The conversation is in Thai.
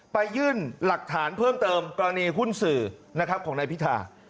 ยื่นหลักฐานเพิ่มเติมกรณีหุ้นสื่อนะครับของนายพิธา